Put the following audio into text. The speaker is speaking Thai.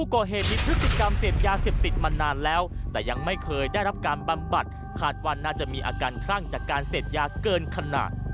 ขาดวันน่าจะมีอาการคลั่งจากการเสร็จยาเกินขนาด